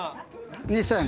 ２，０００。